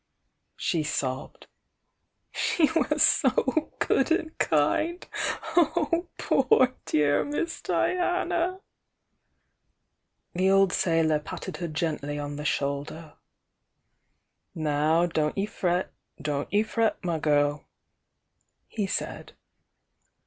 she sobbed. "She was so good and kind! Oh, poor, dear Miss Diana!" The old sailor patted her gently on the shoulder. "Now don't ye fret, don't ye fret, my girl!" he said.